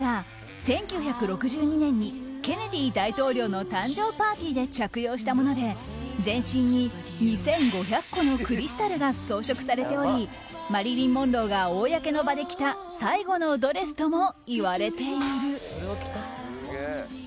マリリン・モンローが１９６２年にケネディ大統領の誕生パーティーで着用したもので全身に２５００個のクリスタルが装飾されておりマリリン・モンローが公の場で着た最後のドレスともいわれている。